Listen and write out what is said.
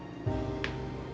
tante aku mau pergi